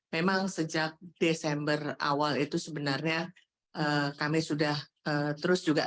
memang sejak desember awal itu sebenarnya kami sudah terus juga